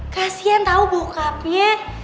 kasian tau bokapnya